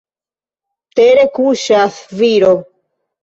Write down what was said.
Tere kuŝas viro.